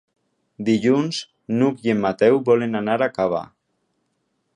Dilluns n'Hug i en Mateu volen anar a Cava.